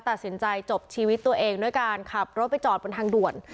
ตัดสินใจจบชีวิตตัวเองด้วยการขับรถไปจอดบนทางด่วน